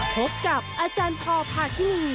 พบกับอาจารย์พอพาคินี